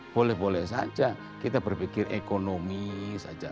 boleh boleh saja kita berpikir ekonomi saja